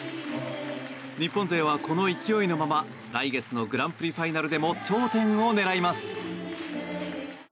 日本勢はこの勢いのまま来月のグランプリファイナルでも頂点を狙います。